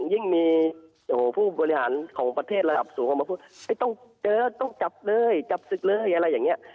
ยิ่งมีผู้บริหารของประเทศระดับสูงออกมาพูดไม่ต้องเจอต้องจับเลยจับศึกเลยอะไรอย่างนี้